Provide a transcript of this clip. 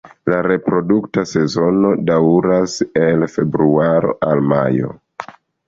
La reprodukta sezono daŭras el februaro al majo.